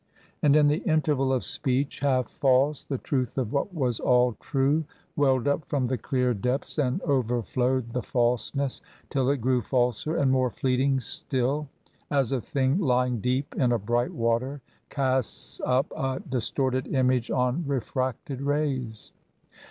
And in the interval of speech half false, the truth of what was all true welled up from the clear depths and overflowed the falseness, till it grew falser and more fleeting still as a thing lying deep in a bright water casts up a distorted image on refracted rays.